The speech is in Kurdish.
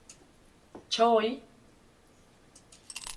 Çawa yî?